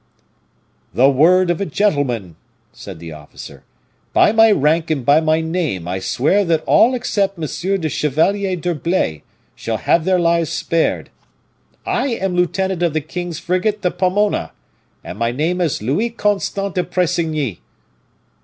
"The word of a gentleman," said the officer. "By my rank and by my name I swear that all except M. le Chevalier d'Herblay shall have their lives spared. I am lieutenant of the king's frigate the 'Pomona,' and my name is Louis Constant de Pressigny."